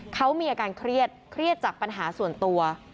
เขามีอาการเครียดเครียดจากปัญหาส่วนตัว